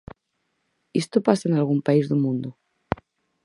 ¿Isto pasa nalgún país do mundo?